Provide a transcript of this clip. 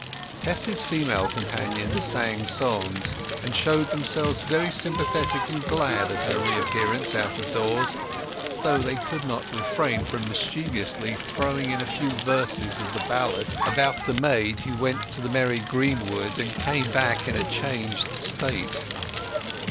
Tess's female companions sang songs, and showed themselves very sympathetic and glad at her reappearance out of doors, though they could not refrain from mischievously throwing in a few verses of the ballad about the maid who went to the merry green wood and came back a changed state.